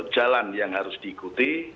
jalan yang harus diikuti